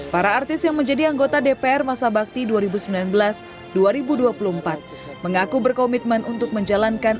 para artis yang menjadi anggota dpr masa bakti dua ribu sembilan belas dua ribu dua puluh empat mengaku berkomitmen untuk menjalankan